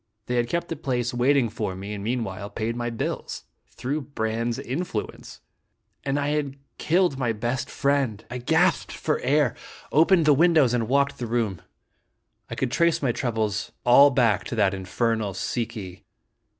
They had kept the place'waiting for me, and meanwhile paid my bills. Through Brande's influence ! And I had killed my best friend ! I gasped for air, opened the windows and walked the room. I could trace my troubles all back to that infernal Si ki.